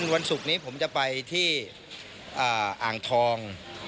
วันศุกร์นี้ผมจะไปที่อ่างทอง